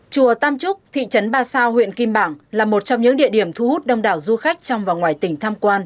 chùa tam trúc thị trấn ba sao huyện kim bảng là một trong những địa điểm thu hút đông đảo du khách trong và ngoài tỉnh tham quan